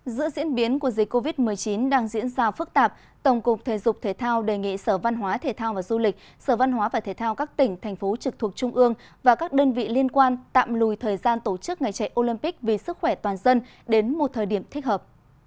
giữa diễn biến của dịch covid một mươi chín đang diễn ra phức tạp tổng cục thể dục thể thao đề nghị sở văn hóa thể thao và du lịch sở văn hóa và thể thao các tỉnh thành phố trực thuộc trung ương và các đơn vị liên quan tạm lùi thời gian tổ chức ngày chạy olympic vì sức khỏe toàn dân đến một thời điểm thích hợp